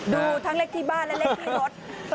ดูทั้งเลขที่บ้านและเลขที่รถ